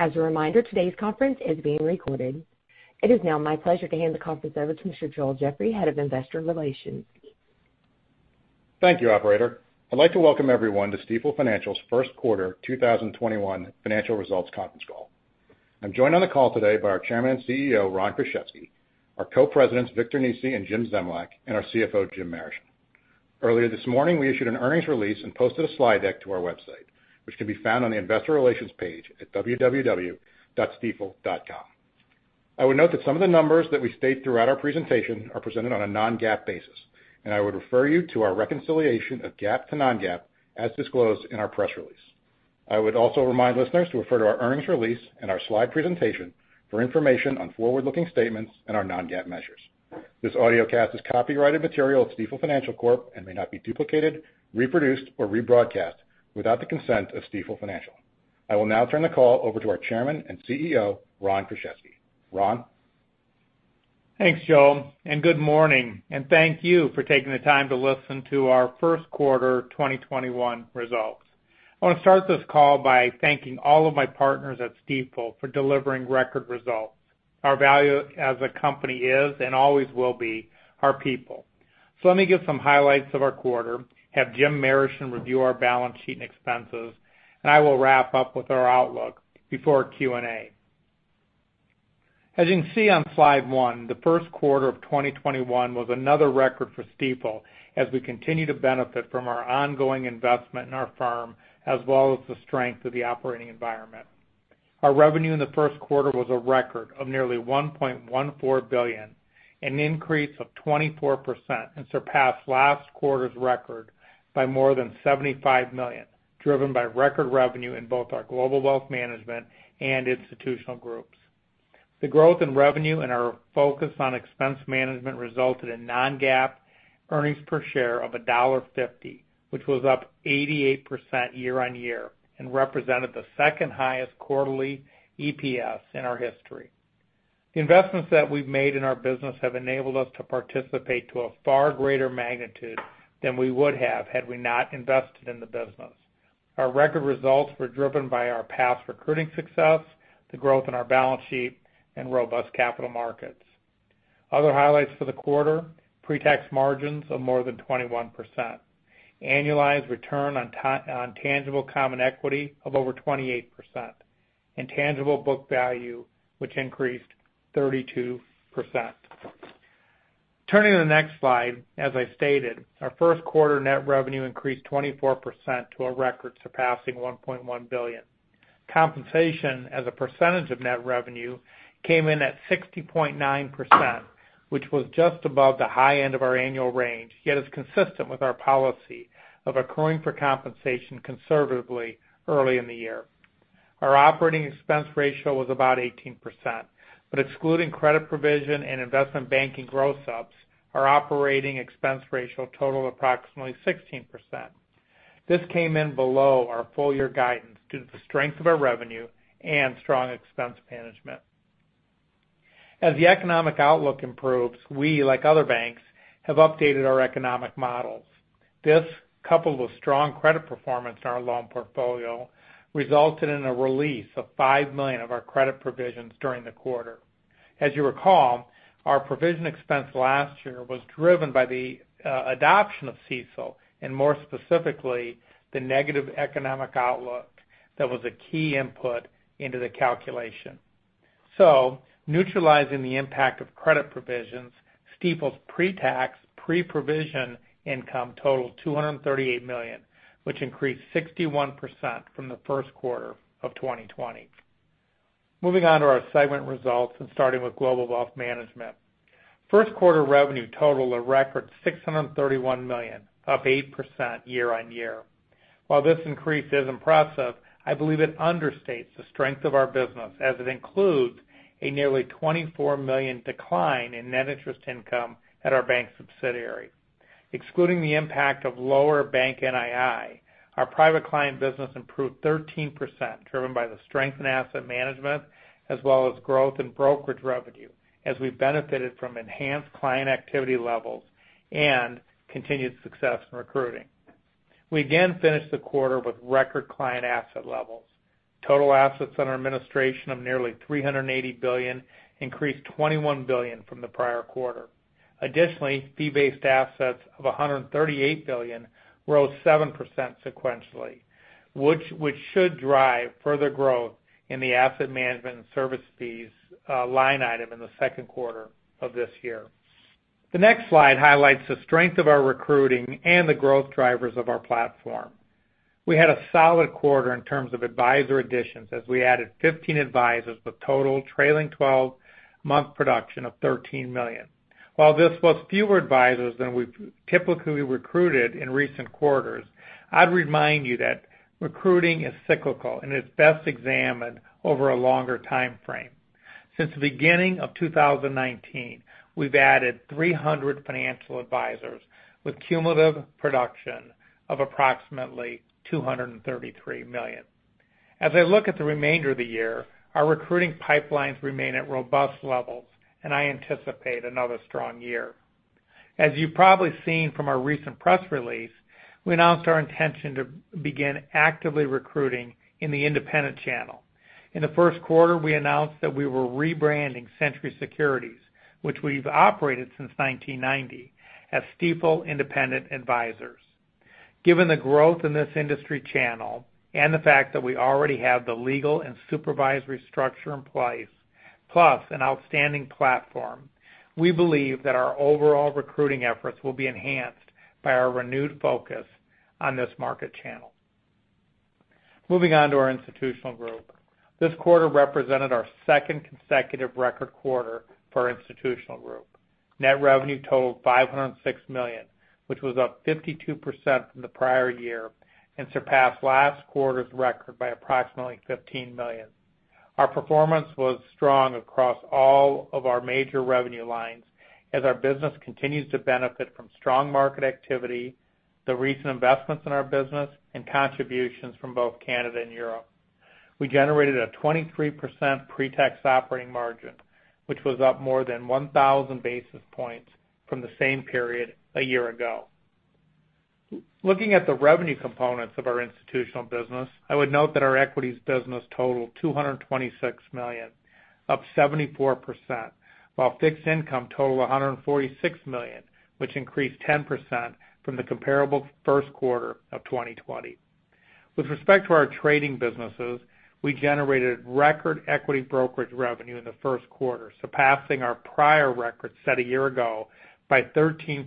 As a reminder, today's conference is being recorded. It is now my pleasure to hand the conference over to Mr. Joel Jeffrey, Head of Investor Relations. Thank you, operator. I'd like to welcome everyone to Stifel Financial's First Quarter 2021 Financial Results Conference Call. I'm joined on the call today by our Chairman and CEO, Ron Kruszewski, our Co-Presidents, Victor Nesi and Jim Zemlyak, and our CFO, Jim Marischen. Earlier this morning, we issued an earnings release and posted a slide deck to our website, which can be found on the investor relations page at www.stifel.com. I would note that some of the numbers that we state throughout our presentation are presented on a non-GAAP basis, and I would refer you to our reconciliation of GAAP to non-GAAP as disclosed in our press release. I would also remind listeners to refer to our earnings release and our slide presentation for information on forward-looking statements and our non-GAAP measures. This audiocast is copyrighted material of Stifel Financial Corp and may not be duplicated, reproduced, or rebroadcast without the consent of Stifel Financial. I will now turn the call over to our Chairman and CEO, Ron Kruszewski. Ron? Thanks, Joel. Good morning, and thank you for taking the time to listen to our first quarter 2021 results. I want to start this call by thanking all of my partners at Stifel for delivering record results. Our value as a company is, and always will be, our people. Let me give some highlights of our quarter, have Jim Marischen review our balance sheet and expenses, and I will wrap up with our outlook before Q&A. As you can see on slide one, the first quarter of 2021 was another record for Stifel as we continue to benefit from our ongoing investment in our firm, as well as the strength of the operating environment. Our revenue in the first quarter was a record of nearly $1.14 billion, an increase of 24%, and surpassed last quarter's record by more than $75 million, driven by record revenue in both our Global Wealth Management and Institutional groups. The growth in revenue and our focus on expense management resulted in non-GAAP earnings per share of $1.50, which was up 88% year-on-year and represented the second-highest quarterly EPS in our history. The investments that we've made in our business have enabled us to participate to a far greater magnitude than we would have had we not invested in the business. Our record results were driven by our past recruiting success, the growth in our balance sheet, and robust capital markets. Other highlights for the quarter, pre-tax margins of more than 21%, annualized return on tangible common equity of over 28%, and tangible book value, which increased 32%. Turning to the next slide, as I stated, our first quarter net revenue increased 24% to a record surpassing $1.1 billion. Compensation as a percentage of net revenue came in at 60.9%, which was just above the high end of our annual range, yet is consistent with our policy of accruing for compensation conservatively early in the year. Our operating expense ratio was about 18%, but excluding credit provision and investment banking gross-ups, our operating expense ratio totaled approximately 16%. This came in below our full-year guidance due to the strength of our revenue and strong expense management. As the economic outlook improves, we, like other banks, have updated our economic models. This, coupled with strong credit performance in our loan portfolio, resulted in a release of $5 million of our credit provisions during the quarter. As you recall, our provision expense last year was driven by the adoption of CECL, and more specifically, the negative economic outlook that was a key input into the calculation. Neutralizing the impact of credit provisions, Stifel's pre-tax, pre-provision income totaled $238 million, which increased 61% from the first quarter of 2020. Moving on to our segment results and starting with Global Wealth Management. First quarter revenue totaled a record $631 million, up 8% year-on-year. While this increase is impressive, I believe it understates the strength of our business as it includes a nearly $24 million decline in net interest income at our bank subsidiary. Excluding the impact of lower bank NII, our private client business improved 13%, driven by the strength in asset management as well as growth in brokerage revenue as we benefited from enhanced client activity levels and continued success in recruiting. We again finished the quarter with record client asset levels. Total assets under administration of nearly $380 billion increased $21 billion from the prior quarter. Additionally, fee-based assets of $138 billion rose 7% sequentially, which should drive further growth in the asset management and service fees line item in the second quarter of this year. The next slide highlights the strength of our recruiting and the growth drivers of our platform. We had a solid quarter in terms of advisor additions, as we added 15 advisors with total trailing 12-month production of $13 million. While this was fewer advisors than we've typically recruited in recent quarters, I'd remind you that recruiting is cyclical and is best examined over a longer timeframe. Since the beginning of 2019, we've added 300 financial advisors with cumulative production of approximately $233 million. As I look at the remainder of the year, our recruiting pipelines remain at robust levels, and I anticipate another strong year. As you've probably seen from our recent press release, we announced our intention to begin actively recruiting in the independent channel. In the first quarter, we announced that we were rebranding Century Securities, which we've operated since 1990, as Stifel Independent Advisors. Given the growth in this industry channel and the fact that we already have the legal and supervisory structure in place, plus an outstanding platform, we believe that our overall recruiting efforts will be enhanced by our renewed focus on this market channel. Moving on to our institutional group. This quarter represented our second consecutive record quarter for our institutional group. Net revenue totaled $506 million, which was up 52% from the prior year, and surpassed last quarter's record by approximately $15 million. Our performance was strong across all of our major revenue lines as our business continues to benefit from strong market activity, the recent investments in our business, and contributions from both Canada and Europe. We generated a 23% pre-tax operating margin, which was up more than 1,000 basis points from the same period a year ago. Looking at the revenue components of our institutional business, I would note that our equities business totaled $226 million, up 74%, while fixed income totaled $146 million, which increased 10% from the comparable first quarter of 2020. With respect to our trading businesses, we generated record equity brokerage revenue in the first quarter, surpassing our prior record set a year ago by 13%,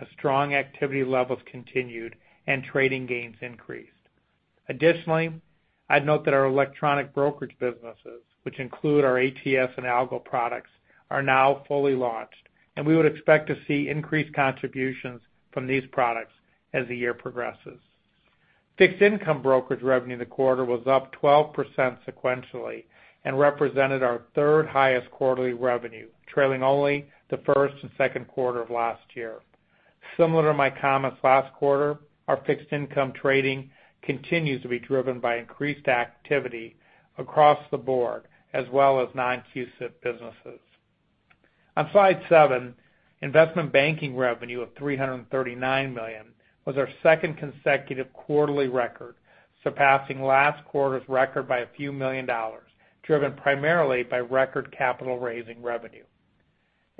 as strong activity levels continued and trading gains increased. Additionally, I'd note that our electronic brokerage businesses, which include our ATS and algo products, are now fully launched, and we would expect to see increased contributions from these products as the year progresses. Fixed income brokerage revenue in the quarter was up 12% sequentially and represented our third-highest quarterly revenue, trailing only the first and second quarter of last year. Similar to my comments last quarter, our fixed income trading continues to be driven by increased activity across the board as well as non-CUSIP businesses. On slide seven, investment banking revenue of $339 million was our second consecutive quarterly record, surpassing last quarter's record by a few million dollar, driven primarily by record capital-raising revenue.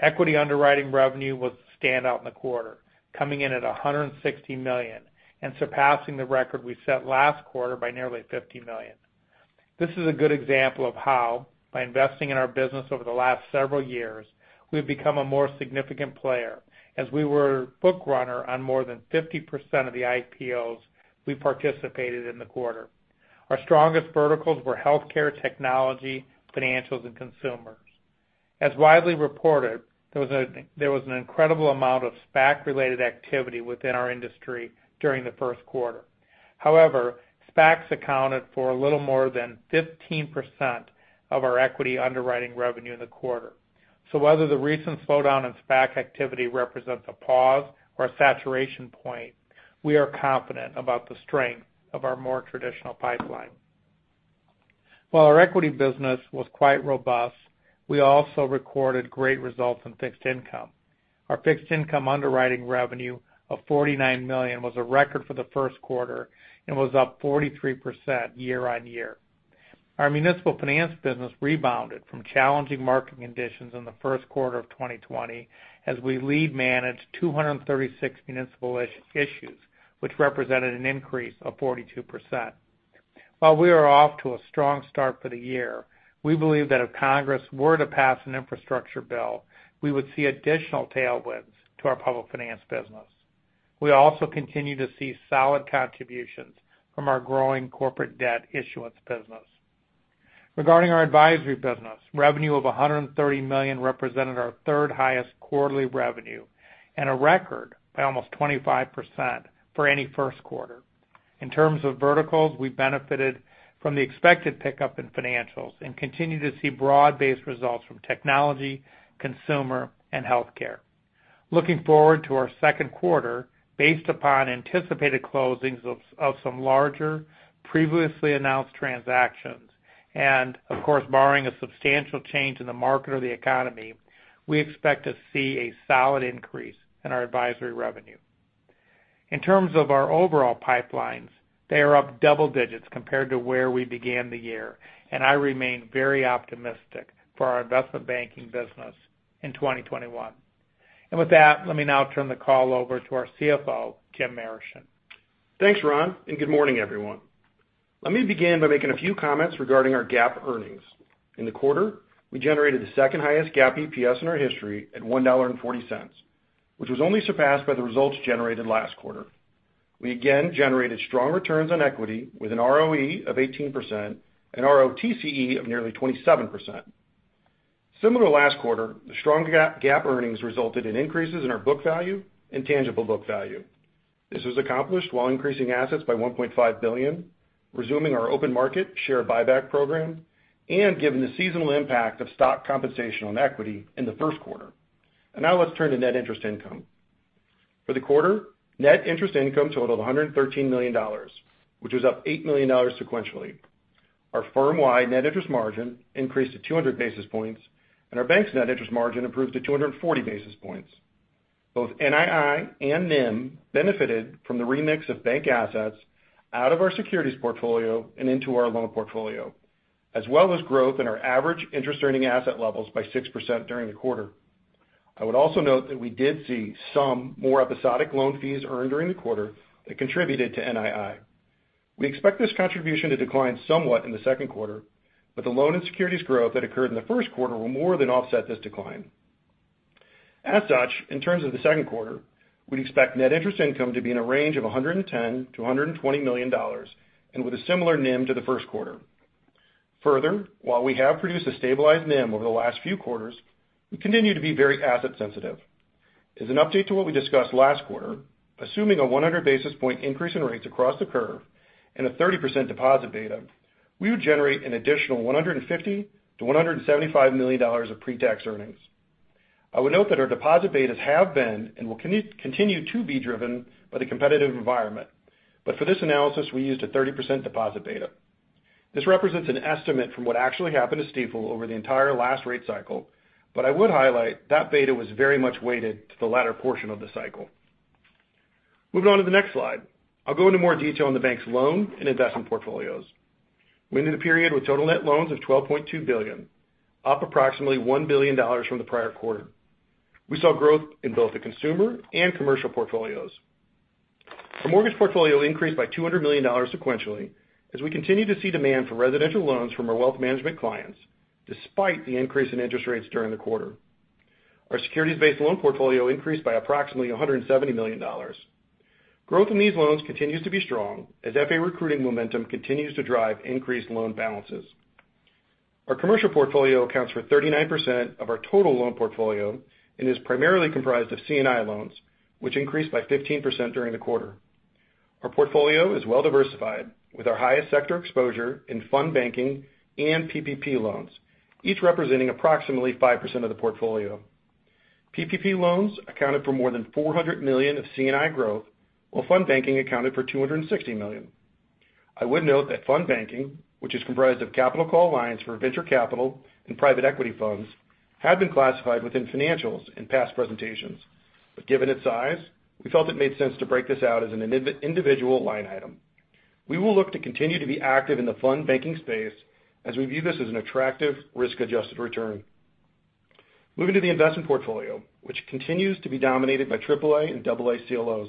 Equity underwriting revenue was the standout in the quarter, coming in at $160 million and surpassing the record we set last quarter by nearly $50 million. This is a good example of how, by investing in our business over the last several years, we've become a more significant player, as we were book runner on more than 50% of the IPOs we participated in the quarter. Our strongest verticals were healthcare, technology, financials, and consumers. As widely reported, there was an incredible amount of SPAC-related activity within our industry during the first quarter. However, SPACs accounted for a little more than 15% of our equity underwriting revenue in the quarter. Whether the recent slowdown in SPAC activity represents a pause or a saturation point, we are confident about the strength of our more traditional pipeline. While our equity business was quite robust, we also recorded great results in fixed income. Our fixed income underwriting revenue of $49 million was a record for the first quarter and was up 43% year-on-year. Our municipal finance business rebounded from challenging market conditions in the first quarter of 2020 as we lead-managed 236 municipal RSUs, which represented an increase of 42%. While we are off to a strong start for the year, we believe that if Congress were to pass an infrastructure bill, we would see additional tailwinds to our public finance business. We also continue to see solid contributions from our growing corporate debt issuance business. Regarding our advisory business, revenue of $130 million represented our third-highest quarterly revenue and a record by almost 25% for any first quarter. In terms of verticals, we benefited from the expected pickup in financials and continue to see broad-based results from technology, consumer, and healthcare. Looking forward to our second quarter, based upon anticipated closings of some larger previously announced transactions, and of course, barring a substantial change in the market or the economy, we expect to see a solid increase in our advisory revenue. In terms of our overall pipelines, they are up double digits compared to where we began the year, and I remain very optimistic for our Investment Banking business in 2021. With that, let me now turn the call over to our CFO, Jim Marischen. Thanks, Ron, and good morning, everyone. Let me begin by making a few comments regarding our GAAP earnings. In the quarter, we generated the second-highest GAAP EPS in our history at $1.40, which was only surpassed by the results generated last quarter. We again generated strong returns on equity with an ROE of 18% and ROTCE of nearly 27%. Similar to last quarter, the strong GAAP earnings resulted in increases in our book value and tangible book value. This was accomplished while increasing assets by $1.5 billion, resuming our open market share buyback program, and given the seasonal impact of stock compensation on equity in the first quarter. Now let's turn to net interest income. For the quarter, net interest income totaled $113 million, which was up $8 million sequentially. Our firm-wide net interest margin increased to 200 basis points, and our bank's net interest margin improved to 240 basis points. Both NII and NIM benefited from the remix of bank assets out of our securities portfolio and into our loan portfolio, as well as growth in our average interest-earning asset levels by 6% during the quarter. I would also note that we did see some more episodic loan fees earned during the quarter that contributed to NII. We expect this contribution to decline somewhat in the second quarter, but the loan and securities growth that occurred in the first quarter will more than offset this decline. As such, in terms of the second quarter, we'd expect net interest income to be in a range of $110 million-$120 million, and with a similar NIM to the first quarter. Further, while we have produced a stabilized NIM over the last few quarters, we continue to be very asset sensitive. As an update to what we discussed last quarter, assuming a 100 basis points increase in rates across the curve and a 30% deposit beta, we would generate an additional $150 to $175 million of pre-tax earnings. I would note that our deposit betas have been and will continue to be driven by the competitive environment. For this analysis, we used a 30% deposit beta. This represents an estimate from what actually happened to Stifel over the entire last rate cycle, but I would highlight that beta was very much weighted to the latter portion of the cycle. Moving on to the next slide. I'll go into more detail on the bank's loan and investment portfolios. We ended the period with total net loans of $12.2 billion, up approximately $1 billion from the prior quarter. We saw growth in both the consumer and commercial portfolios. Our mortgage portfolio increased by approximately $200 million sequentially as we continue to see demand for residential loans from our wealth management clients, despite the increase in interest rates during the quarter. Our securities-based loan portfolio increased by approximately $170 million. Growth in these loans continues to be strong as FA recruiting momentum continues to drive increased loan balances. Our commercial portfolio accounts for 39% of our total loan portfolio and is primarily comprised of C&I loans, which increased by 15% during the quarter. Our portfolio is well-diversified, with our highest sector exposure in fund banking and PPP loans, each representing approximately 5% of the portfolio. PPP loans accounted for more than $400 million of C&I growth, while fund banking accounted for $260 million. I would note that fund banking, which is comprised of capital call lines for venture capital and private equity funds, had been classified within financials in past presentations. Given its size, we felt it made sense to break this out as an individual line item. We will look to continue to be active in the fund banking space as we view this as an attractive risk-adjusted return. Moving to the investment portfolio, which continues to be dominated by AAA and AA CLOs.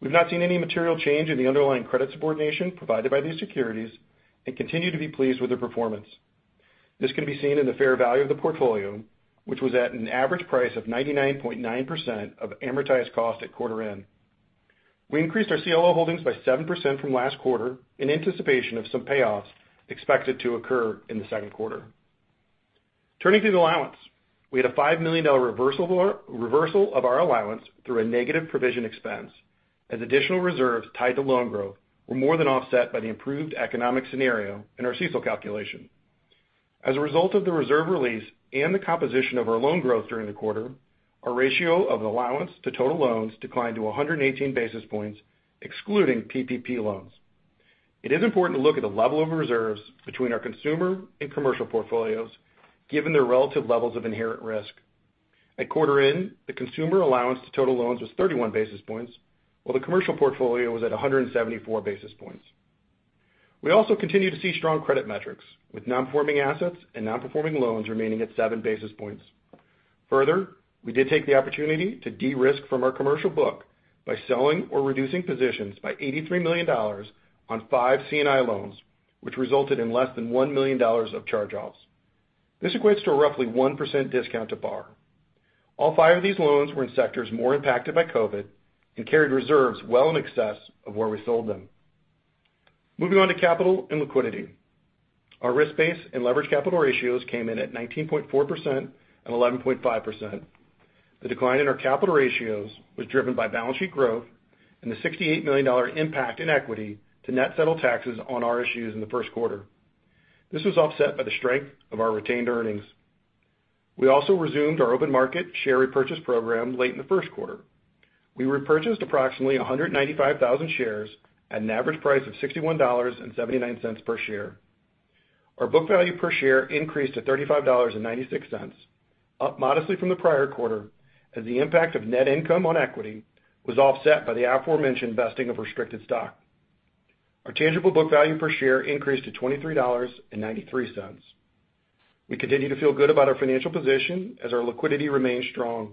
We've not seen any material change in the underlying credit subordination provided by these securities and continue to be pleased with their performance. This can be seen in the fair value of the portfolio, which was at an average price of 99.9% of amortized cost at quarter end. We increased our CLO holdings by 7% from last quarter in anticipation of some payoffs expected to occur in the second quarter. Turning to the allowance, we had a $5 million reversal of our allowance through a negative provision expense as additional reserves tied to loan growth were more than offset by the improved economic scenario in our CECL calculation. As a result of the reserve release and the composition of our loan growth during the quarter, our ratio of allowance to total loans declined to 118 basis points, excluding PPP loans. It is important to look at the level of reserves between our consumer and commercial portfolios, given their relative levels of inherent risk. At quarter end, the consumer allowance to total loans was 31 basis points, while the commercial portfolio was at 174 basis points. We also continue to see strong credit metrics with non-performing assets and non-performing loans remaining at seven basis points. Further, we did take the opportunity to de-risk from our commercial book by selling or reducing positions by $83 million on five C&I loans, which resulted in less than $1 million of charge-offs. This equates to a roughly 1% discount to par. All five of these loans were in sectors more impacted by COVID and carried reserves well in excess of where we sold them. Moving on to capital and liquidity. Our risk-based and leverage capital ratios came in at 19.4% and 11.5%. The decline in our capital ratios was driven by balance sheet growth and the $68 million impact in equity to net settle taxes on our issues in the first quarter. This was offset by the strength of our retained earnings. We also resumed our open market share repurchase program late in the first quarter. We repurchased approximately 195,000 shares at an average price of $61.79 per share. Our book value per share increased to $35.96, up modestly from the prior quarter as the impact of net income on equity was offset by the aforementioned vesting of restricted stock. Our tangible book value per share increased to $23.93. We continue to feel good about our financial position as our liquidity remains strong.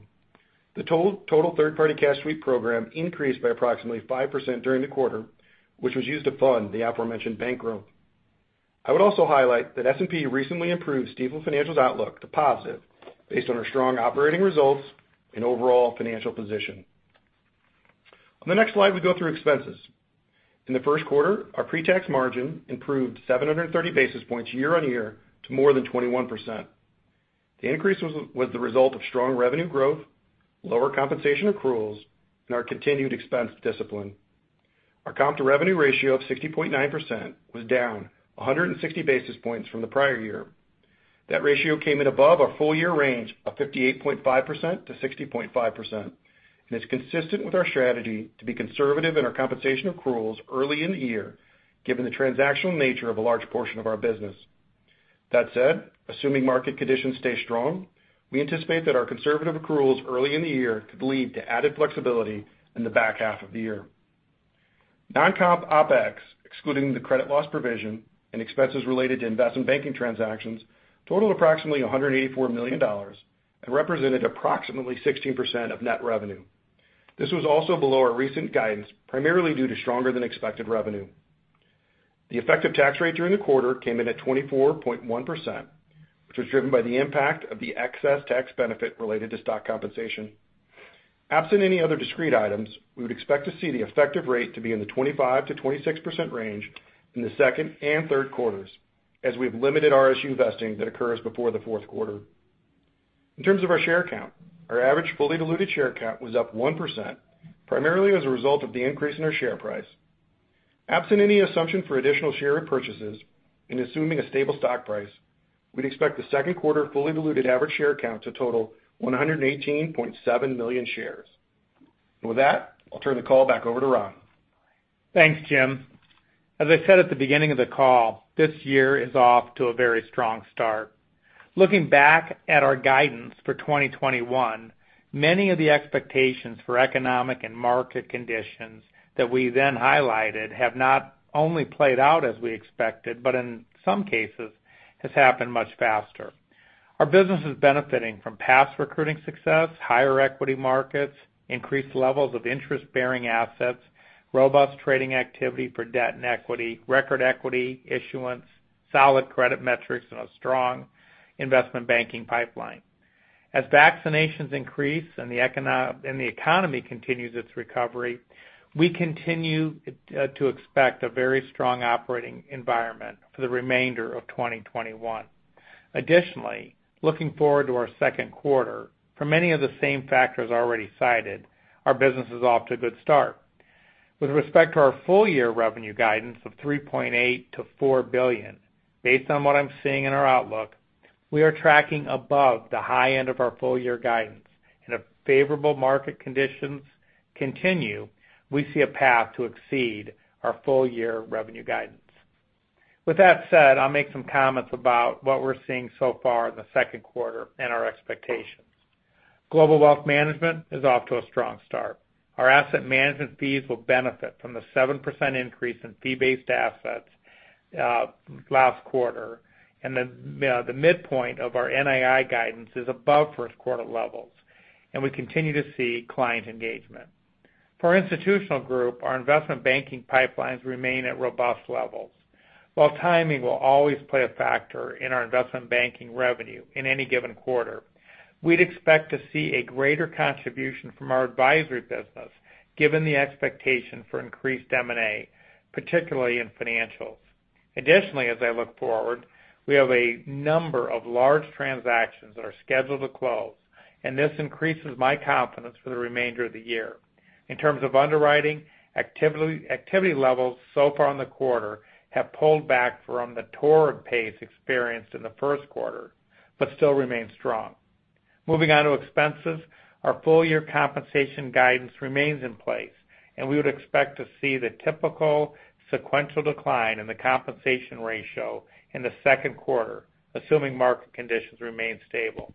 The total third-party cash sweep program increased by approximately 5% during the quarter, which was used to fund the aforementioned bank growth. I would also highlight that S&P recently improved Stifel Financial's outlook to positive based on our strong operating results and overall financial position. On the next slide, we go through expenses. In the first quarter, our pre-tax margin improved 730 basis points year-over-year to more than 21%. The increase was the result of strong revenue growth, lower compensation accruals, and our continued expense discipline. Our comp-to-revenue ratio of 60.9% was down 160 basis points from the prior year. That ratio came in above our full-year range of 58.5%-60.5% and is consistent with our strategy to be conservative in our compensation accruals early in the year, given the transactional nature of a large portion of our business. That said, assuming market conditions stay strong, we anticipate that our conservative accruals early in the year could lead to added flexibility in the back half of the year. Non-comp OpEx, excluding the credit loss provision and expenses related to investment banking transactions, totaled approximately $184 million and represented approximately 16% of net revenue. This was also below our recent guidance, primarily due to stronger-than-expected revenue. The effective tax rate during the quarter came in at 24.1%, which was driven by the impact of the excess tax benefit related to stock compensation. Absent any other discrete items, we would expect to see the effective rate to be in the 25%-26% range in the second and third quarters, as we have limited RSU vesting that occurs before the fourth quarter. In terms of our share count, our average fully diluted share count was up 1%, primarily as a result of the increase in our share price. Absent any assumption for additional share repurchases and assuming a stable stock price, we'd expect the second quarter fully diluted average share count to total 118.7 million shares. With that, I'll turn the call back over to Ron. Thanks, Jim. As I said at the beginning of the call, this year is off to a very strong start. Looking back at our guidance for 2021, many of the expectations for economic and market conditions that we then highlighted have not only played out as we expected, but in some cases, has happened much faster. Our business is benefiting from past recruiting success, higher equity markets, increased levels of interest-bearing assets, robust trading activity for debt and equity, record equity issuance, solid credit metrics, and a strong investment banking pipeline. As vaccinations increase and the economy continues its recovery, we continue to expect a very strong operating environment for the remainder of 2021. Additionally, looking forward to our second quarter, for many of the same factors already cited, our business is off to a good start. With respect to our full-year revenue guidance of $3.8 billion-$4 billion, based on what I'm seeing in our outlook, we are tracking above the high end of our full-year guidance. If favorable market conditions continue, we see a path to exceed our full-year revenue guidance. With that said, I'll make some comments about what we're seeing so far in the second quarter and our expectations. Global Wealth Management is off to a strong start. Our asset management fees will benefit from the 7% increase in fee-based assets last quarter, and the midpoint of our NII guidance is above first quarter levels, and we continue to see client engagement. For our institutional group, our Investment Banking pipelines remain at robust levels. While timing will always play a factor in our investment banking revenue in any given quarter, we would expect to see a greater contribution from our advisory business given the expectation for increased M&A, particularly in financials. Additionally, as I look forward, we have a number of large transactions that are scheduled to close, and this increases my confidence for the remainder of the year. In terms of underwriting, activity levels so far in the quarter have pulled back from the torrid pace experienced in the first quarter but still remain strong. Moving on to expenses, our full-year compensation guidance remains in place, and we would expect to see the typical sequential decline in the compensation ratio in the second quarter, assuming market conditions remain stable.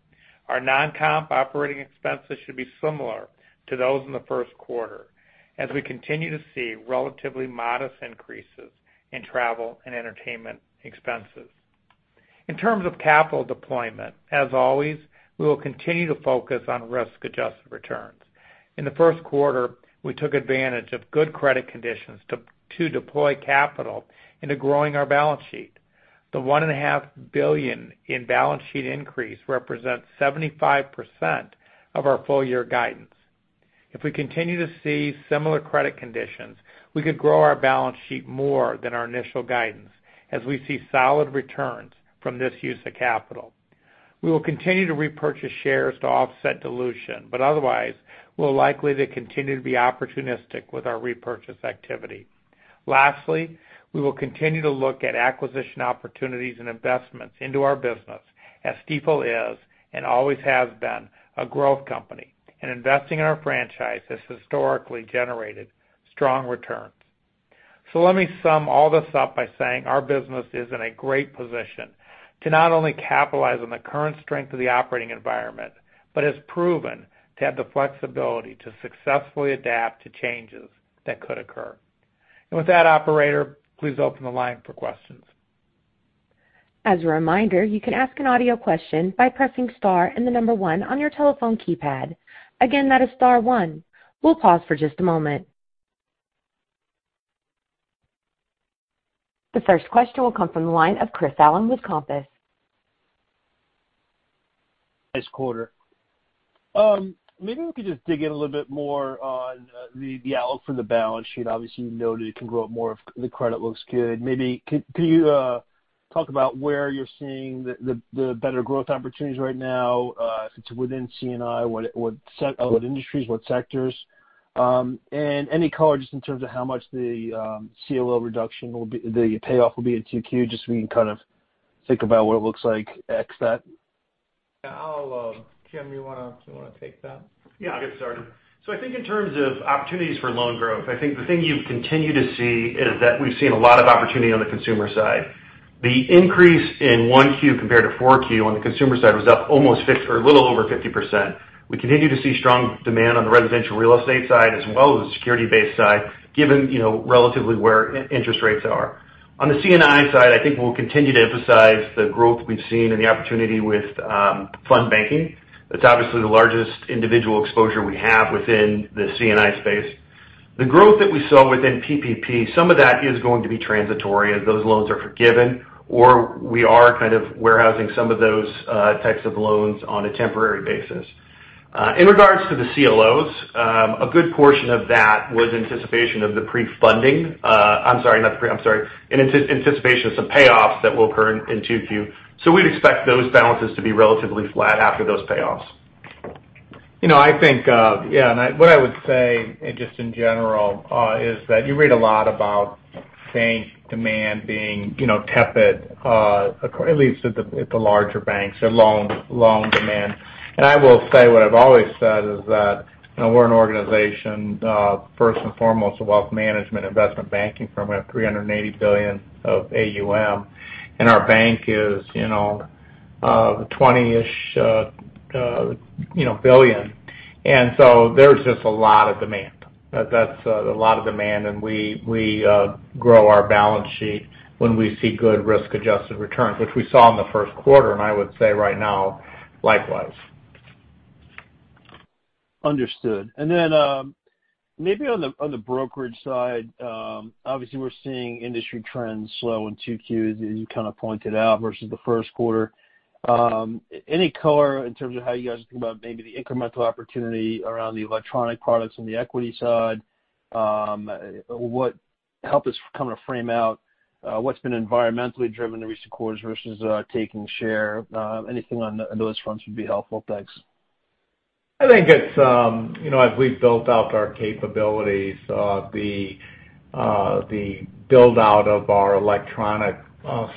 Our non-comp operating expenses should be similar to those in the first quarter, as we continue to see relatively modest increases in travel and entertainment expenses. In terms of capital deployment, as always, we will continue to focus on risk-adjusted returns. In the first quarter, we took advantage of good credit conditions to deploy capital into growing our balance sheet. The $1.5 billion in balance sheet increase represents 75% of our full-year guidance. If we continue to see similar credit conditions, we could grow our balance sheet more than our initial guidance as we see solid returns from this use of capital. We will continue to repurchase shares to offset dilution, but otherwise, we'll likely to continue to be opportunistic with our repurchase activity. We will continue to look at acquisition opportunities and investments into our business as Stifel is, and always has been, a growth company, and investing in our franchise has historically generated strong returns. Let me sum all this up by saying our business is in a great position to not only capitalize on the current strength of the operating environment but has proven to have the flexibility to successfully adapt to changes that could occur. With that, operator, please open the line for questions. As a reminder, you can ask an audio question by pressing star and the number one on your telephone keypad. Again, that is star one. We'll pause for just a moment. The first question will come from the line of Chris Allen with Compass. Nice quarter. Maybe we could just dig in a little bit more on the outlook for the balance sheet. Obviously, you noted it can grow up more if the credit looks good. Maybe can you talk about where you're seeing the better growth opportunities right now, if it's within C&I, what industries, what sectors, and any color just in terms of how much the CLO reduction, the payoff will be in 2Q, just so we can think about what it looks like ex that? Yeah, Jim, you want to take that? Yeah, I'll get started. I think in terms of opportunities for loan growth, I think the thing you continue to see is that we've seen a lot of opportunity on the consumer side. The increase in Q1 compared to Q4 on the consumer side was up a little over 50%. We continue to see strong demand on the residential real estate side, as well as the security-based side, given relatively where interest rates are. On the C&I side, I think we'll continue to emphasize the growth we've seen and the opportunity with fund banking. That's obviously the largest individual exposure we have within the C&I space. The growth that we saw within PPP, some of that is going to be transitory as those loans are forgiven, or we are kind of warehousing some of those types of loans on a temporary basis. In regards to the CLOs, a good portion of that was anticipation of the pre-funding. I'm sorry, in anticipation of some payoffs that will occur in Q2. We'd expect those balances to be relatively flat after those payoffs. I think, yeah. What I would say, just in general, is that you read a lot about bank demand being tepid, at least at the larger banks, their loan demand. I will say what I've always said is that we're an organization, first and foremost, a wealth management investment banking firm. We have $380 billion of AUM, and our bank is $20-ish billion. There's just a lot of demand. That's a lot of demand, and we grow our balance sheet when we see good risk-adjusted returns, which we saw in the first quarter, and I would say right now, likewise. Understood. Maybe on the brokerage side, obviously we're seeing industry trends slow in 2Q, as you pointed out, versus the first quarter. Any color in terms of how you guys are thinking about maybe the incremental opportunity around the electronic products on the equity side? Help us frame out what's been environmentally driven in recent quarters versus taking share. Anything on those fronts would be helpful. Thanks. I think as we've built out our capabilities, the build-out of our electronic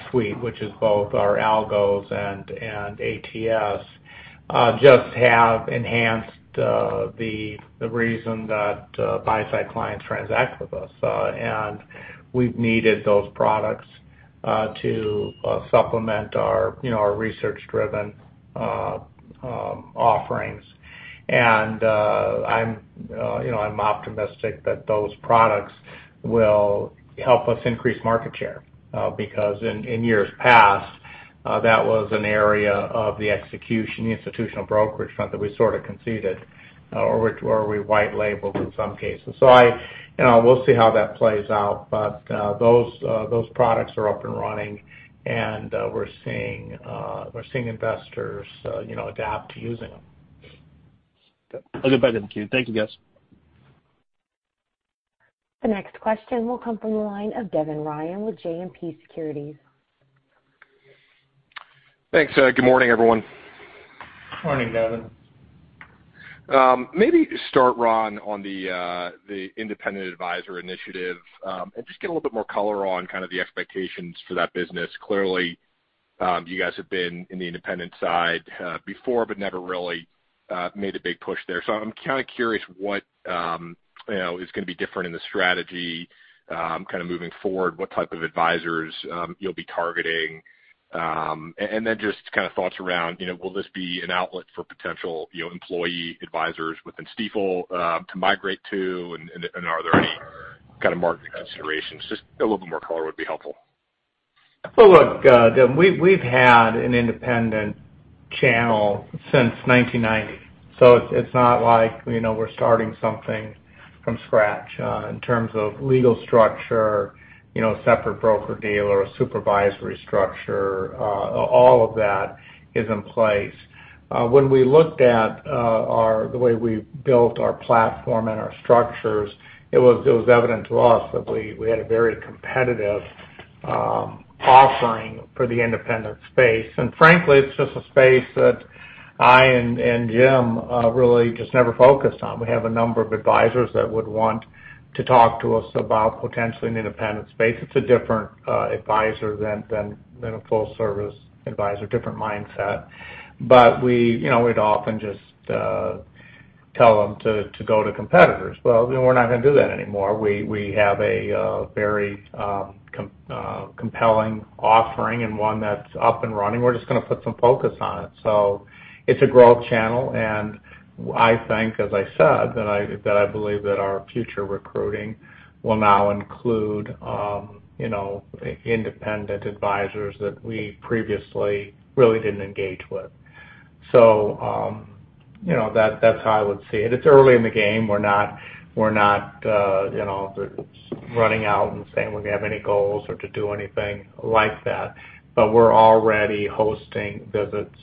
suite, which is both our algos and ATS, just have enhanced the reason that buy-side clients transact with us. We've needed those products to supplement our research-driven offerings. I'm optimistic that those products will help us increase market share because in years past, that was an area of the execution, the institutional brokerage front that we sort of conceded or we white labeled in some cases. We'll see how that plays out. Those products are up and running, and we're seeing investors adapt to using them. I'll get back in the queue. Thank you, guys. The next question will come from the line of Devin Ryan with JMP Securities. Thanks. Good morning, everyone. Morning, Devin. Maybe start, Ron, on the Independent Advisor Initiative. Just give a little bit more color on kind of the expectations for that business. Clearly, you guys have been in the independent side before, but never really made a big push there. I'm kind of curious what is going to be different in the strategy kind of moving forward, what type of advisors you'll be targeting. Just kind of thoughts around will this be an outlet for potential employee advisors within Stifel to migrate to, and are there any kind of market considerations? Just a little bit more color would be helpful. Well, look, Devin, we've had an independent channel since 1990, it's not like we're starting something from scratch in terms of legal structure, separate broker-dealer, supervisory structure. All of that is in place. When we looked at the way we built our platform and our structures, it was evident to us that we had a very competitive offering for the independent space. Frankly, it's just a space that I and Jim really just never focused on. We have a number of advisors that would want to talk to us about potentially an independent space. It's a different advisor than a full-service advisor, different mindset. We'd often just tell them to go to competitors. Well, we're not going to do that anymore. We have a very compelling offering and one that's up and running. We're just going to put some focus on it. It's a growth channel, and I think, as I said, that I believe that our future recruiting will now include independent advisors that we previously really didn't engage with. That's how I would see it. It's early in the game. We're not running out and saying we have any goals or to do anything like that, but we're already hosting visits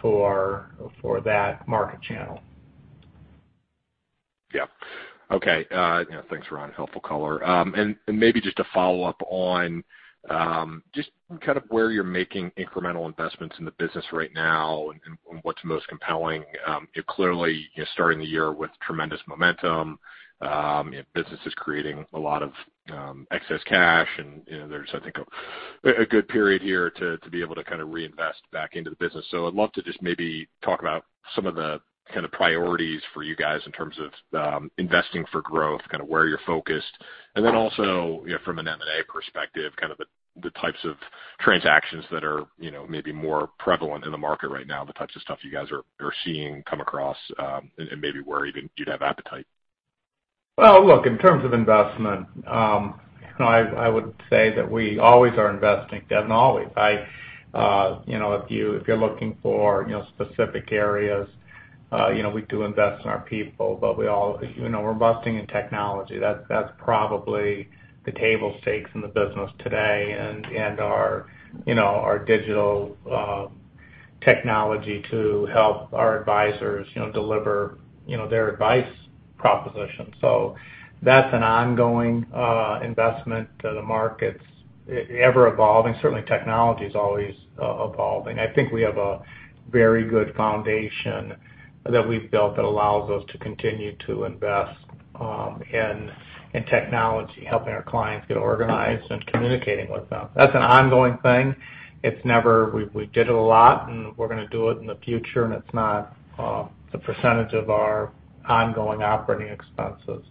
for that market channel. Yeah. Okay. Thanks, Ron. Helpful color. Maybe just to follow up on just where you're making incremental investments in the business right now and what's most compelling. Clearly, starting the year with tremendous momentum. Business is creating a lot of excess cash, and there's, I think, a good period here to be able to reinvest back into the business. I'd love to just maybe talk about some of the priorities for you guys in terms of investing for growth, where you're focused. Then also from an M&A perspective, the types of transactions that are maybe more prevalent in the market right now, the types of stuff you guys are seeing come across, and maybe where even you'd have appetite. Well, look, in terms of investment, I would say that we always are investing, Devin, always. If you're looking for specific areas, we do invest in our people. We're investing in technology. That's probably the table stakes in the business today. Our digital technology to help our advisors deliver their advice proposition. That's an ongoing investment. The market's ever-evolving. Certainly technology's always evolving. I think we have a very good foundation that we've built that allows us to continue to invest in technology, helping our clients get organized and communicating with them. That's an ongoing thing. We did a lot, and we're going to do it in the future, and it's not the percentage of our ongoing operating expenses.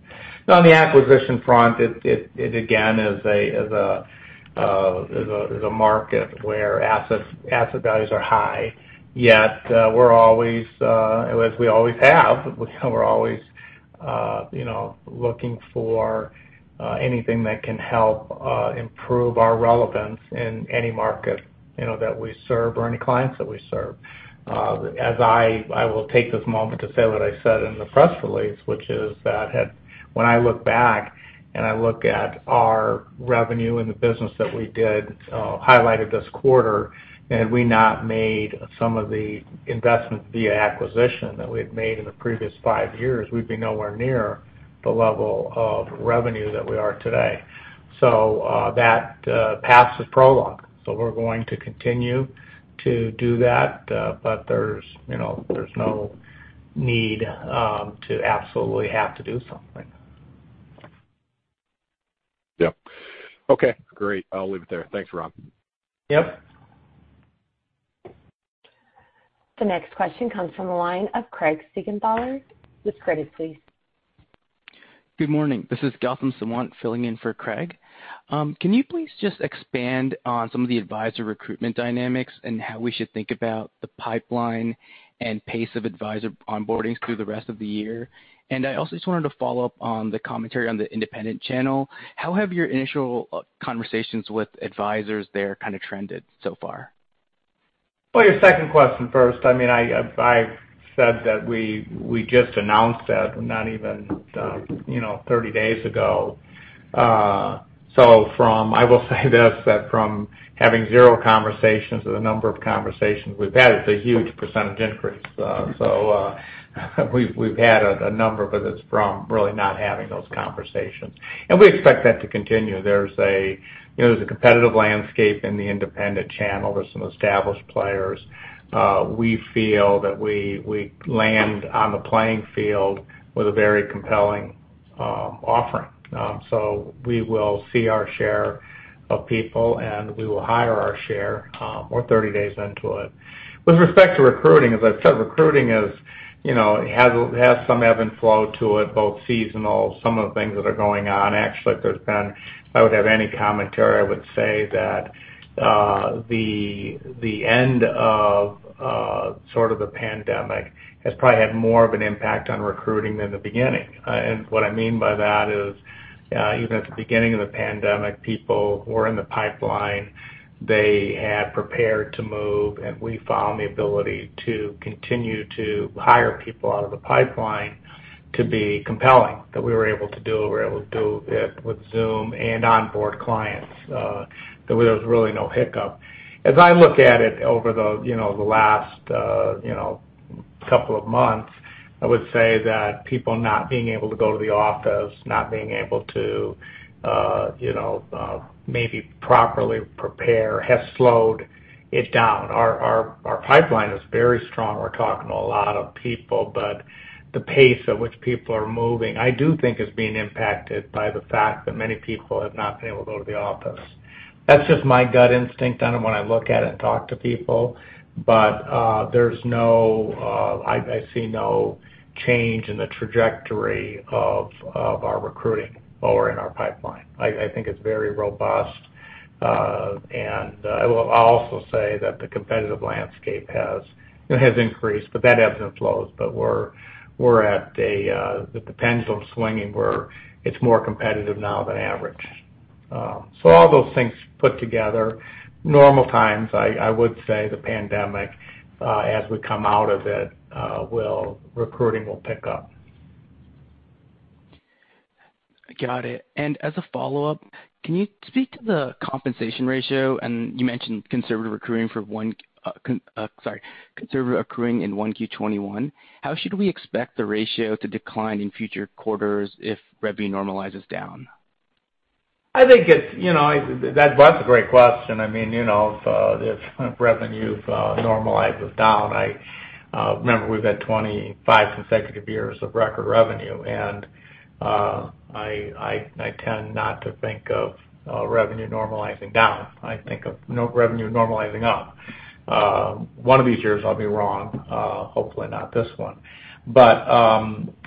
Now, on the acquisition front, it again is a market where asset values are high. Yet, as we always have, we're always looking for anything that can help improve our relevance in any market that we serve or any clients that we serve. I will take this moment to say what I said in the press release, which is that when I look back and I look at our revenue and the business that we did highlight this quarter, had we not made some of the investments via acquisition that we've made in the previous five years, we'd be nowhere near the level of revenue that we are today. That path is prologue. We're going to continue to do that, but there's no need to absolutely have to do something. Yeah. Okay, great. I'll leave it there. Thanks, Ron. Yep. The next question comes from the line of Craig Siegenthaler with Credit Suisse. Good morning. This is Gautam Sawant filling in for Craig. Can you please just expand on some of the advisor recruitment dynamics and how we should think about the pipeline and pace of advisor onboardings through the rest of the year? I also just wanted to follow up on the commentary on the independent channel. How have your initial conversations with advisors there trended so far? Well, your second question first. I said that we just announced that not even 30 days ago. I will say this, that from having zero conversations to the number of conversations we've had, it's a huge percentage increase. We've had a number of visits from really not having those conversations, and we expect that to continue. There's a competitive landscape in the independent channel. There's some established players. We feel that we land on the playing field with a very compelling offering. We will see our share of people, and we will hire our share. We're 30 days into it. With respect to recruiting, as I've said, recruiting has some ebb and flow to it, both seasonal, some of the things that are going on. Actually, if I would have any commentary, I would say that the end of the pandemic has probably had more of an impact on recruiting than the beginning. What I mean by that is even at the beginning of the pandemic, people were in the pipeline. They had prepared to move, and we found the ability to continue to hire people out of the pipeline to be compelling, that we were able to do it with Zoom and onboard clients. There was really no hiccup. As I look at it over the last couple of months, I would say that people not being able to go to the office, not being able to maybe properly prepare, has slowed it down. Our pipeline is very strong. We're talking to a lot of people, but the pace at which people are moving, I do think is being impacted by the fact that many people have not been able to go to the office. That's just my gut instinct on it when I look at it and talk to people. I see no change in the trajectory of our recruiting or in our pipeline. I think it's very robust. I will also say that the competitive landscape has increased, but that ebbs and flows. The pendulum's swinging where it's more competitive now than average. All those things put together, normal times, I would say the pandemic as we come out of it, recruiting will pick up. I got it. As a follow-up, can you speak to the compensation ratio? You mentioned conservative accruing in 1Q 2021. How should we expect the ratio to decline in future quarters if revenue normalizes down? That's a great question. If revenue normalizes down, remember we've had 25 consecutive years of record revenue. I tend not to think of revenue normalizing down. I think of revenue normalizing up. One of these years, I'll be wrong. Hopefully not this one. But,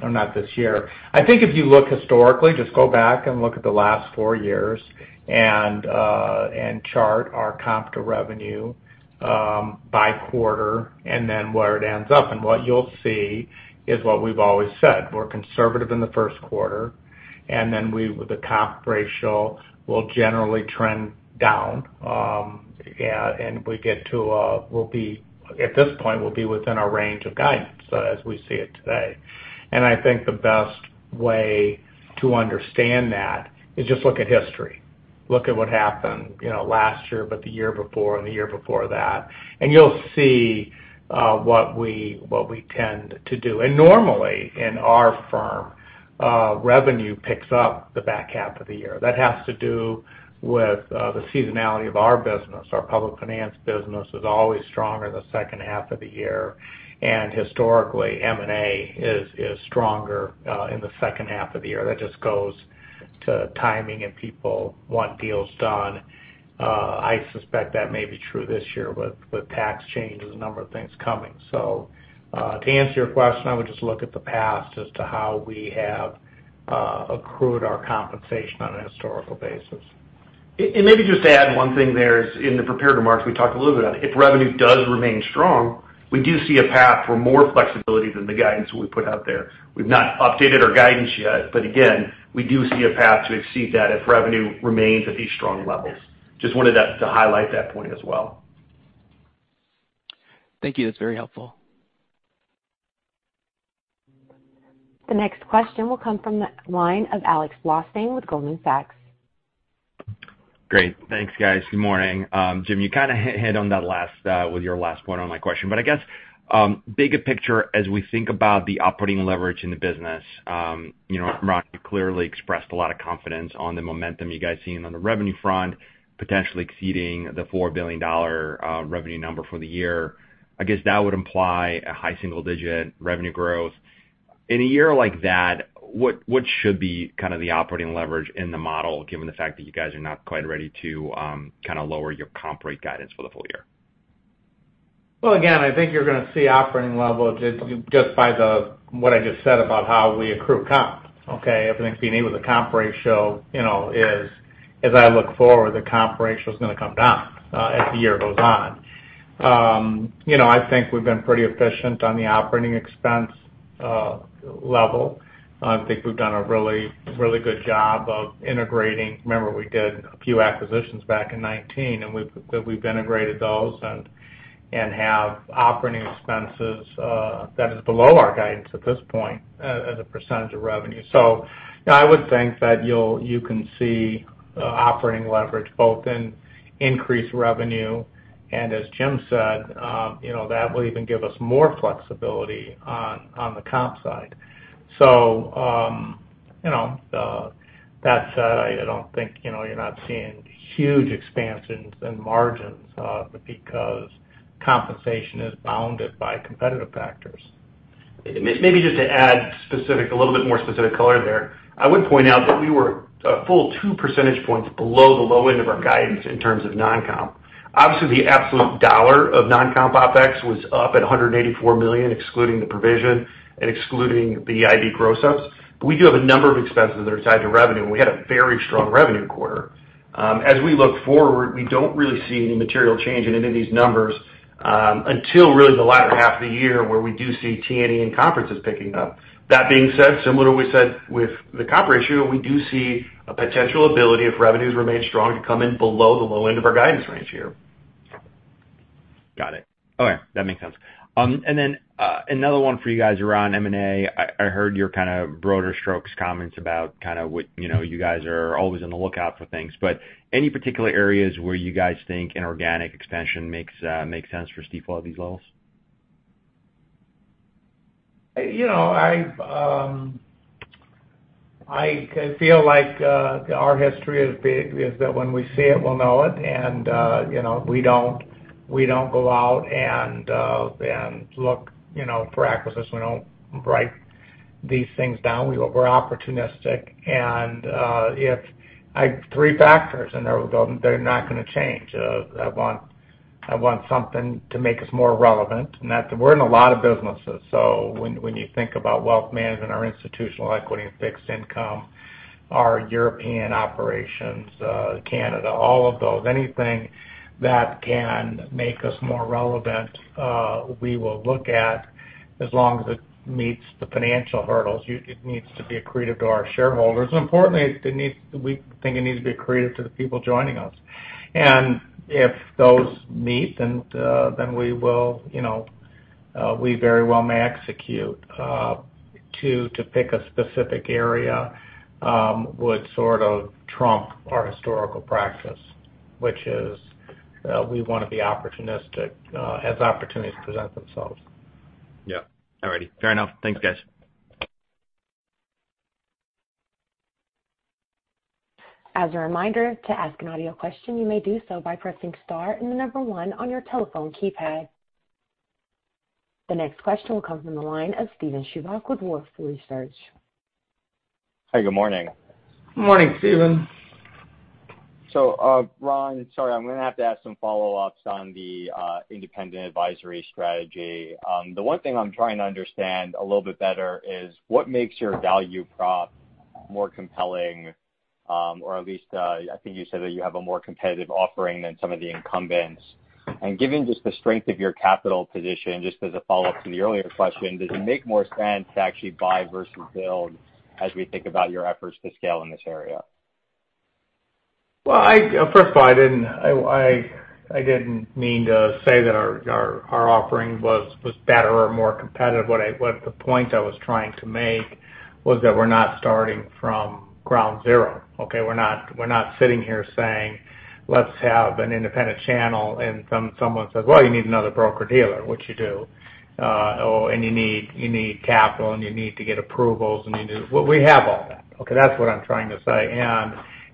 or not this year. I think if you look historically, just go back and look at the last four years and chart our comp to revenue by quarter and then where it ends up. What you'll see is what we've always said. We're conservative in the first quarter. Then the comp ratio will generally trend down. At this point, we'll be within our range of guidance as we see it today. I think the best way to understand that is just look at history. Look at what happened last year, but the year before, and the year before that, and you'll see what we tend to do. Normally, in our firm, revenue picks up the back half of the year. That has to do with the seasonality of our business. Our public finance business is always stronger in the second half of the year, and historically, M&A is stronger in the second half of the year. That just goes to timing, and people want deals done. I suspect that may be true this year with tax changes, a number of things coming. To answer your question, I would just look at the past as to how we have accrued our compensation on a historical basis. Maybe just to add one thing there is in the prepared remarks, we talked a little bit about it. If revenue does remain strong, we do see a path for more flexibility than the guidance we put out there. We've not updated our guidance yet, again, we do see a path to exceed that if revenue remains at these strong levels. Just wanted to highlight that point as well. Thank you. That's very helpful. The next question will come from the line of Alex Blostein with Goldman Sachs. Great. Thanks, guys. Good morning. Jim, you kind of hit on that last with your last point on my question. I guess, bigger picture, as we think about the operating leverage in the business, Ron, you clearly expressed a lot of confidence on the momentum you guys seen on the revenue front, potentially exceeding the $4 billion revenue number for the year. I guess that would imply a high single-digit revenue growth. In a year like that, what should be kind of the operating leverage in the model, given the fact that you guys are not quite ready to kind of lower your comp rate guidance for the full year? Again, I think you're going to see operating leverage just by what I just said about how we accrue comp. Okay. Everything's being able to comp ratio is. As I look forward, the comp ratio's going to come down as the year goes on. I think we've been pretty efficient on the operating expense level. I think we've done a really good job of integrating. Remember, we did a few acquisitions back in 2019, and we've integrated those and have operating expenses that is below our guidance at this point as a percentage of revenue. I would think that you can see operating leverage both in increased revenue, and as Jim said that will even give us more flexibility on the comp side. That said, I don't think you're not seeing huge expansions in margins because compensation is bounded by competitive factors. Maybe just to add a little bit more specific color there. I would point out that we were a full two percentage points below the low end of our guidance in terms of non-comp. Obviously, the absolute dollar of non-comp OpEx was up at $184 million, excluding the provision and excluding the IB gross-ups. We do have a number of expenses that are tied to revenue, and we had a very strong revenue quarter. As we look forward, we don't really see any material change in any of these numbers until really the latter half of the year where we do see T&E and conferences picking up. That being said, similar to we said with the comp ratio, we do see a potential ability if revenues remain strong to come in below the low end of our guidance range here. Got it. Okay. That makes sense. Another one for you guys around M&A. I heard your kind of broader strokes comments about kind of what you guys are always on the lookout for things, any particular areas where you guys think inorganic expansion makes sense for Stifel at these levels? I feel like our history is big, is that when we see it, we'll know it. We don't go out and look for acquisitions. We don't break these things down. We're opportunistic. Three factors in there, they're not going to change. I want something to make us more relevant. We're in a lot of businesses. When you think about wealth management, our institutional equity and fixed income, our European operations, Canada, all of those, anything that can make us more relevant we will look at as long as it meets the financial hurdles. It needs to be accretive to our shareholders. Importantly, we think it needs to be accretive to the people joining us. If those meet, we will very well may execute. To pick a specific area would sort of trump our historical practice, which is we want to be opportunistic as opportunities present themselves. Yeah. All righty. Fair enough. Thanks, guys. The next question will come from the line of Steven Chubak with Wolfe Research. Hi, good morning. Good morning, Steven. Ron, sorry, I'm going to have to ask some follow-ups on the independent advisory strategy. The one thing I'm trying to understand a little bit better is what makes your value prop more compelling, or at least, I think you said that you have a more competitive offering than some of the incumbents. And given just the strength of your capital position, just as a follow-up to the earlier question, does it make more sense to actually buy versus build as we think about your efforts to scale in this area? First of all, I didn't mean to say that our offering was better or more competitive. The point I was trying to make was that we're not starting from ground zero. Okay? We're not sitting here saying, "Let's have an independent channel," and someone says, "Well, you need another broker-dealer," which you do. Oh, and you need capital and you need to get approvals and well, we have all that. Okay? That's what I'm trying to say.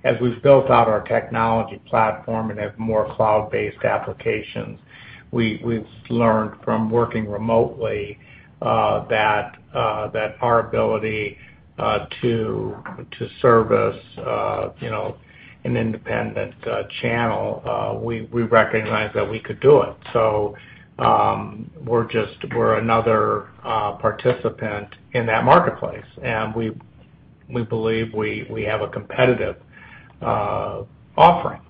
As we've built out our technology platform and have more cloud-based applications, we've learned from working remotely that our ability to service an independent channel, we recognize that we could do it. We're another participant in that marketplace, and we believe we have a competitive offering.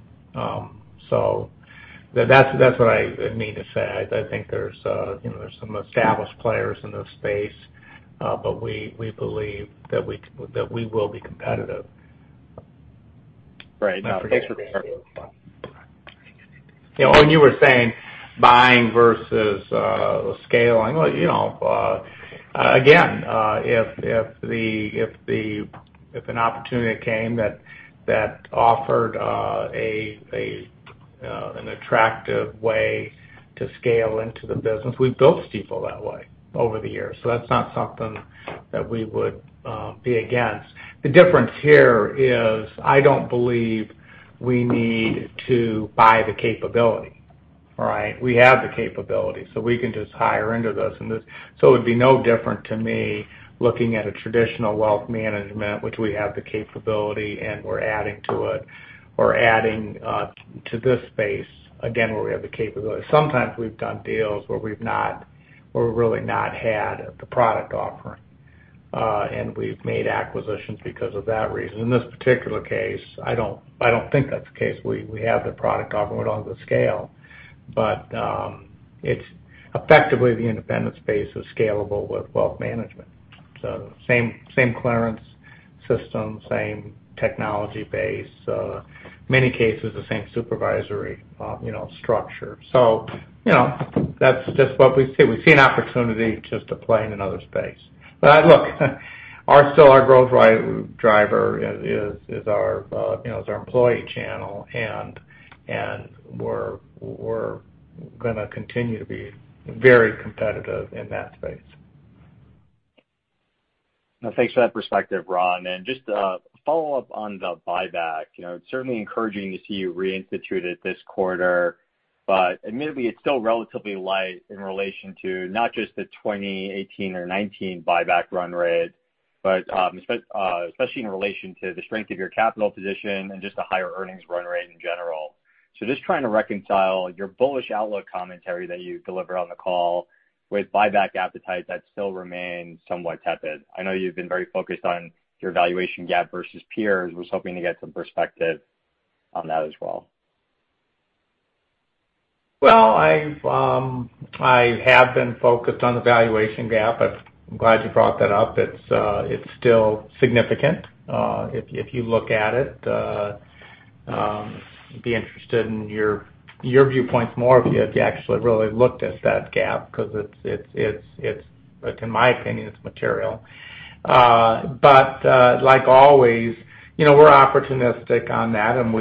That's what I mean to say. I think there's some established players in this space, but we believe that we will be competitive. Right. No, thanks for being clear. When you were saying buying versus scaling. Again, if an opportunity came that offered an attractive way to scale into the business, we've built Stifel that way over the years. That's not something that we would be against. The difference here is I don't believe we need to buy the capability. All right? We have the capability, so we can just hire into this and this. It would be no different to me looking at a traditional wealth management, which we have the capability, and we're adding to it or adding to this space, again, where we have the capability. Sometimes we've done deals where we've really not had the product offering. We've made acquisitions because of that reason. In this particular case, I don't think that's the case. We have the product offering. We don't have the scale. Effectively, the independent space is scalable with wealth management. Same clearance system. Same technology base. Many cases, the same supervisory structure. That's just what we see. We see an opportunity just to play in another space. Look, still our growth driver is our employee channel, and we're going to continue to be very competitive in that space. No, thanks for that perspective, Ron. Just a follow-up on the buyback. It's certainly encouraging to see you reinstituted this quarter, but admittedly, it's still relatively light in relation to not just the 2018 or 2019 buyback run rate, but especially in relation to the strength of your capital position and just the higher earnings run rate in general. Just trying to reconcile your bullish outlook commentary that you delivered on the call with buyback appetite that still remains somewhat tepid. I know you've been very focused on your valuation gap versus peers. I was hoping to get some perspective on that as well. Well, I have been focused on the valuation gap. I'm glad you brought that up. It's still significant if you look at it. I'd be interested in your viewpoints more if you actually really looked at that gap because in my opinion, it's material. Like always, we're opportunistic on that, and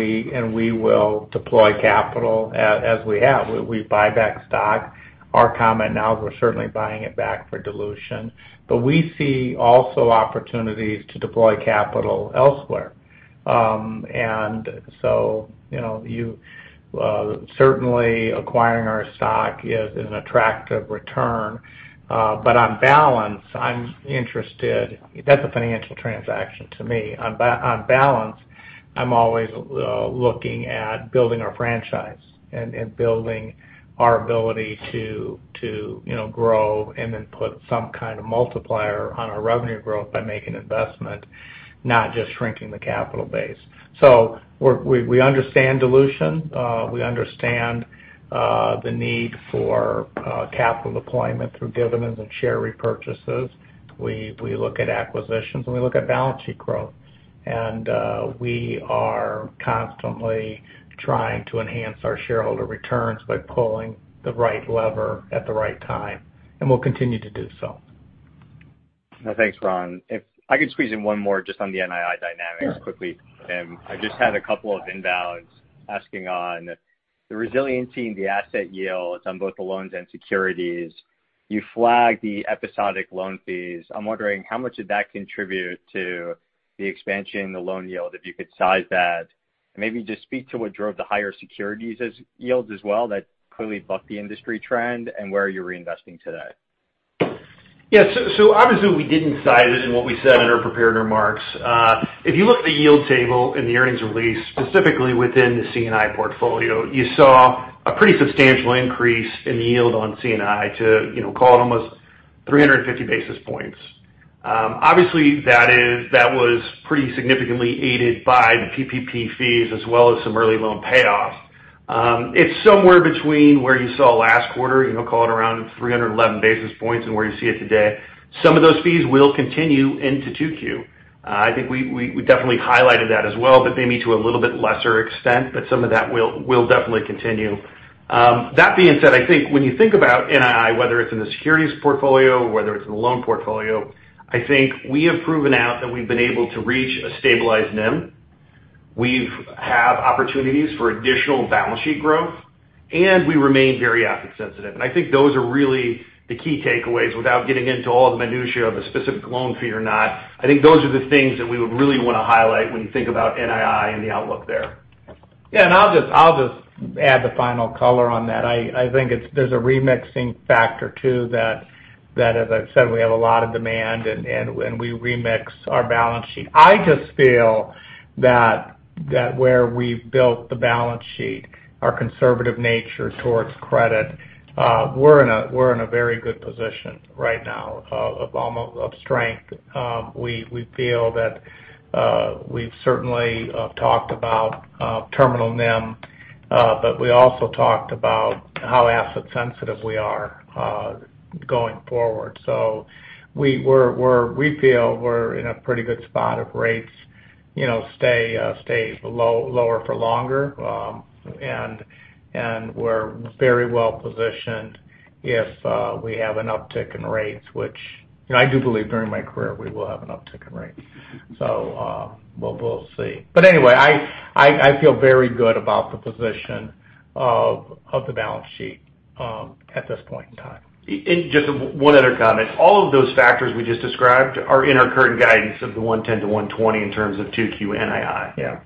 we will deploy capital as we have. We buy back stock. Our comment now is we're certainly buying it back for dilution. We see also opportunities to deploy capital elsewhere. Certainly acquiring our stock is an attractive return. On balance, I'm interested. That's a financial transaction to me. On balance, I'm always looking at building our franchise and building our ability to grow and then put some kind of multiplier on our revenue growth by making investment, not just shrinking the capital base. We understand dilution. We understand the need for capital deployment through dividends and share repurchases. We look at acquisitions, and we look at balance sheet growth. We are constantly trying to enhance our shareholder returns by pulling the right lever at the right time, and we'll continue to do so. No. Thanks, Ron. If I could squeeze in one more just on the NII dynamics quickly. I just had a couple of inbounds asking on the resiliency and the asset yields on both the loans and securities. You flagged the episodic loan fees. I'm wondering how much did that contribute to the expansion in the loan yield, if you could size that. Maybe just speak to what drove the higher securities yields as well that clearly bucked the industry trend and where you're reinvesting today. Yeah. Obviously we didn't size it in what we said in our prepared remarks. If you look at the yield table in the earnings release, specifically within the C&I portfolio, you saw a pretty substantial increase in the yield on C&I to call it almost 350 basis points. Obviously, that was pretty significantly aided by the PPP fees as well as some early loan payoffs. It's somewhere between where you saw last quarter, call it around 311 basis points and where you see it today. Some of those fees will continue into Q2. I think we definitely highlighted that as well, but maybe to a little bit lesser extent, but some of that will definitely continue. That being said, I think when you think about NII, whether it's in the securities portfolio or whether it's in the loan portfolio, I think we have proven out that we've been able to reach a stabilized NIM. We have opportunities for additional balance sheet growth, and we remain very asset sensitive. I think those are really the key takeaways without getting into all the minutia of a specific loan fee or not. I think those are the things that we would really want to highlight when you think about NII and the outlook there. Yeah. I'll just add the final color on that. I think there's a remixing factor too that, as I've said, we have a lot of demand and when we remix our balance sheet. I just feel that where we've built the balance sheet, our conservative nature towards credit, we're in a very good position right now of strength. We feel that we've certainly talked about terminal NIM, but we also talked about how asset sensitive we are going forward. We feel we're in a pretty good spot if rates stay lower for longer. We're very well positioned if we have an uptick in rates, which I do believe during my career we will have an uptick in rates. We'll see. Anyway, I feel very good about the position of the balance sheet at this point in time. Just one other comment. All of those factors we just described are in our current guidance of the $110-$120 in terms of Q2 NII. Yeah.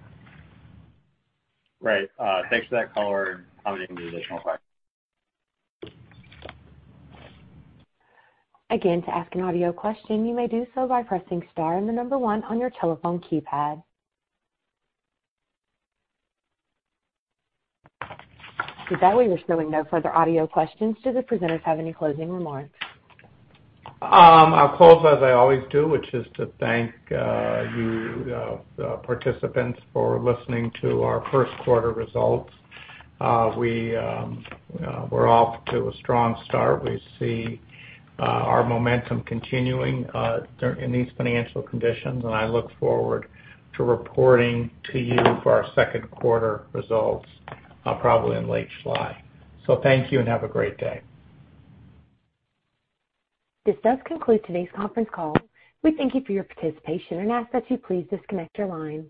Thanks for that color and commenting on the additional question. Again, to ask an audio question, you may do so by pressing star and the number one on your telephone keypad. With that, we are showing no further audio questions. Do the presenters have any closing remarks? I'll close as I always do, which is to thank you, the participants, for listening to our first quarter results. We're off to a strong start. We see our momentum continuing in these financial conditions, and I look forward to reporting to you for our second quarter results probably in late July. Thank you and have a great day. This does conclude today's conference call. We thank you for your participation and ask that you please disconnect your line.